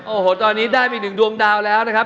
โอ้โหตอนนี้ได้มีหนึ่งดวงดาวแล้วนะครับ